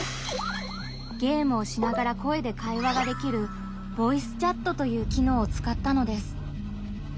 ゲームをしながら声で会話ができるボイスチャットという機能をつかったのです。